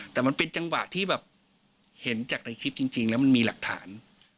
แต่มันเป็นจังหวะที่แบบเห็นจากในคลิปจริงแล้วมันมีหลักฐาน